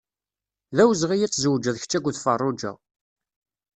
D awezɣi ad tzewǧeḍ kečč akked Ferruǧa.